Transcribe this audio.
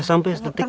sampai seketika ini